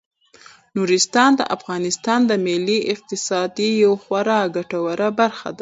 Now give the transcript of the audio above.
نورستان د افغانستان د ملي اقتصاد یوه خورا ګټوره برخه ده.